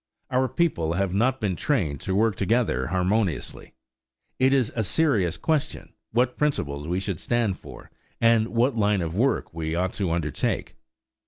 Our people have not been trained to work together harmoniously. It is a serious question what principles we should stand for and what line of work we ought to undertake.